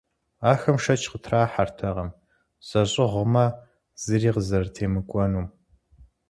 Ахэм шэч къытрахьэртэкъым зэщӏыгъумэ, зыри къазэрытемыкӏуэнум.